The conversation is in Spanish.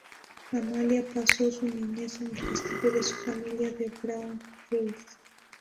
Amalia pasó su niñez en el castillo de su familia en Braunfels.